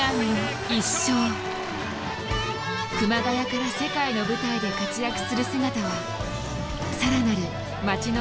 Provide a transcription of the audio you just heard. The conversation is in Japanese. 熊谷から世界の舞台で活躍する姿は更なる街の支援につながった。